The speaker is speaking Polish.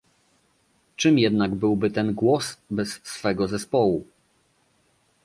Czym jednak byłby ten "Głos" bez swego zespołu?